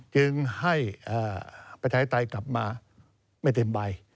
จึงให้ประชาธิปไตยกลับมาไม่เต็มใบ